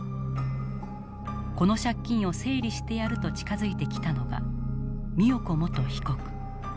この借金を整理してやると近づいてきたのが美代子元被告。